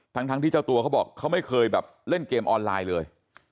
ทั้งที่เจ้าตัวเขาบอกเขาไม่เคยแบบเล่นเกมออนไลน์เลย